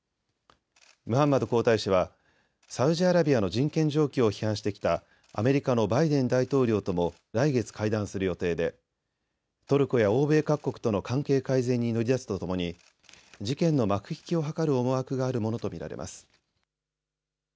ムハンマド皇太子はサウジアラビアの人権状況を批判してきたアメリカのバイデン大統領とも来月会談する予定でトルコや欧米各国との関係改善に乗り出すとともに事件の幕引きを図る思惑があるものと見られます。